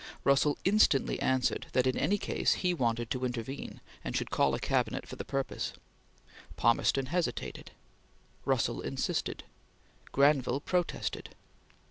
Russell instantly answered that, in any case, he wanted to intervene and should call a Cabinet for the purpose. Palmerston hesitated; Russell insisted; Granville protested.